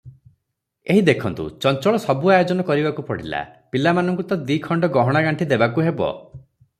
ଏହି ଦେଖନ୍ତୁ, ଚଞ୍ଚଳ ସବୁ ଆୟୋଜନ କରିବାକୁ ପଡ଼ିଲା, ପିଲାମାନଙ୍କୁ ତ ଦିଖଣ୍ଡ ଗହଣାଗାଣ୍ଠି ଦେବାକୁ ହେବ ।